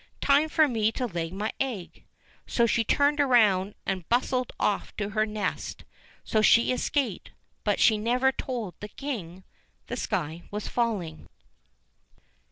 Time for me to lay my egg." So she turned round and bustled off to her nest ; so she escaped, but she never told the King the sky was falling